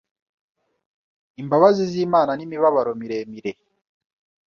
Imbabazi zImana nimibabaro miremire